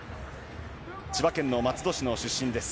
千葉県の松戸市の出身です。